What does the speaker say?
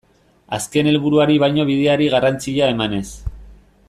Azken helburuari baino bideari garrantzia emanez.